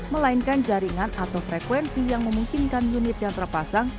melainkan jaringan atau frekuensi yang memungkinkan unit yang terpasang